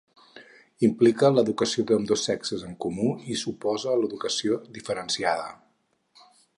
Implica l'educació d'ambdós sexes en comú i s'oposa a l'educació diferenciada.